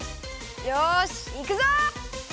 よしいくぞ！